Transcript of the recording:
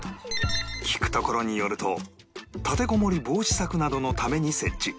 聞くところによると立てこもり防止策などのために設置